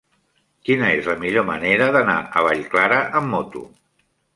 Quina és la millor manera d'anar a Vallclara amb moto?